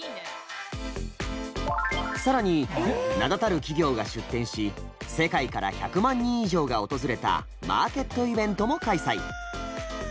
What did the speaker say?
更に名だたる企業が出店し世界から１００万人以上が訪れたマーケットイベントも開催。